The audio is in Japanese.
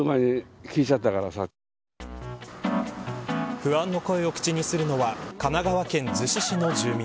不安の声を口にするのは神奈川県逗子市の住民。